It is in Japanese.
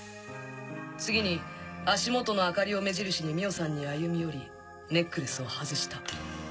次に足元の明かりを目印に美緒さんに歩み寄りネックレスを外した。